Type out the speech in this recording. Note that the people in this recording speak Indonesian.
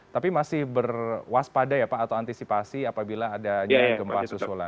tapi masih berwaspada ya pak atau antisipasi apabila adanya gempa susulan